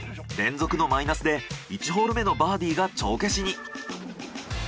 連続のマイナスで１ホール目のバーディが帳消しに。